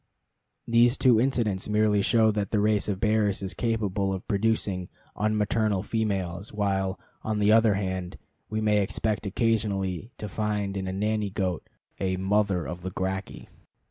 These two incidents merely show that the race of bears is capable of producing unmaternal females, while, on the other hand, we may expect occasionally to find in a nanny goat a Mother of the Gracchi.